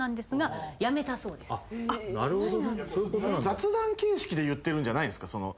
雑談形式で言ってるんじゃないんですか？